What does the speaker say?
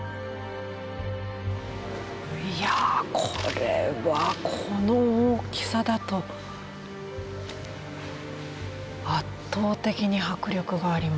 いやこれはこの大きさだと圧倒的に迫力があります。